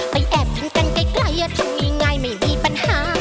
ไปแอบทั้งกันใกล้ใกล้ทำง่ายง่ายไม่มีปัญหา